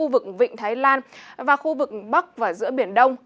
vịnh thái lan và khu vực bắc và giữa biển đông